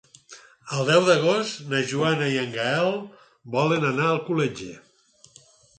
El deu d'agost na Joana i en Gaël volen anar a Alcoletge.